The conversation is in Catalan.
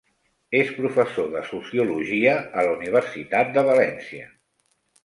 És professor de sociologia a la Universitat de València.